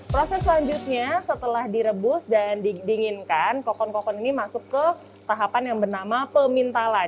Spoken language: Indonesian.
proses selanjutnya setelah direbus dan didinginkan kokon kokon ini masuk ke tahapan yang bernama pemintalan